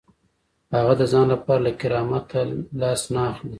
هغه د ځان لپاره له کرامت لاس نه اخلي.